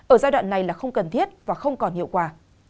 ở giai đoạn này là không cần thiết và không còn hiệu quả